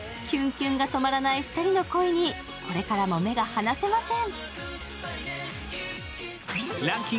キュンキュンが止まらない２人の恋に、これからも目が離せません。